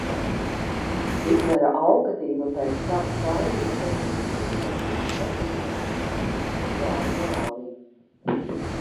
Hitlera alkatība pēc savu kaimiņu zemēm, Sudetiju Čehoslovākijā, ungāru Morāviju.